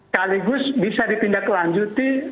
kaligus bisa dipindah kelanjuti